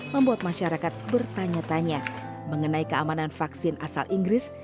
membuat masyarakat bertanya tanya mengenai keamanan vaksin asal inggris